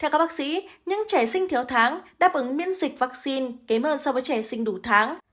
theo các bác sĩ những trẻ sinh thiếu tháng đáp ứng miễn dịch vaccine kém hơn so với trẻ sinh đủ tháng